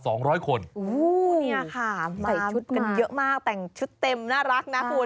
โอ้โหเนี่ยค่ะใส่ชุดกันเยอะมากแต่งชุดเต็มน่ารักนะคุณ